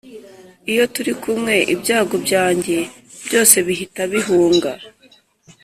iyo turi kumwe ibyago byanjye byose bihita bihunga